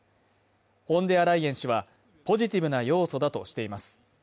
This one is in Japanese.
フォンデアライエン氏はポジティブな要素だとしています。